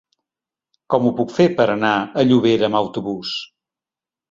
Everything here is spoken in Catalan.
Com ho puc fer per anar a Llobera amb autobús?